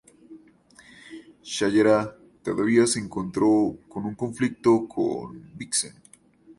Shayera todavía se encontró con un conflicto con Vixen.